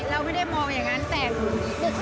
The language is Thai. เราไม่ได้มองอย่างนั้นแต่หนู